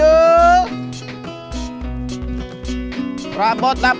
bapak bapak prabot nayu